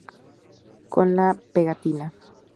Con La Pegatina